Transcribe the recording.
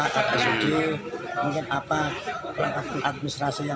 dan kemudian dilakukan pemeriksaan